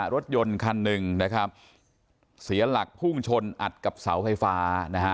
รถยนต์คันหนึ่งนะครับเสียหลักพุ่งชนอัดกับเสาไฟฟ้านะฮะ